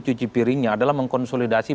cuci piringnya adalah mengkonsolidasi